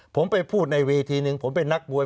ผมไปพูดในเวทีหนึ่งผมเป็นนักมวย